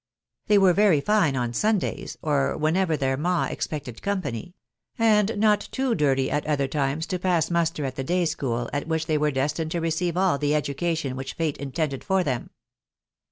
They were very fine or Sundays, or whenever their ma' expected company •, axvd not too dirty at other times to pass muster at the daj scWk, ^!W THE WIDOW BARNABY. 5 at which they were destined to receive all the education which fate intended for them.